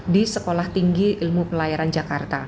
di sekolah tinggi ilmu pelayaran jakarta